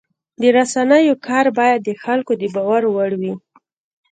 د رسنیو کار باید د خلکو د باور وړ وي.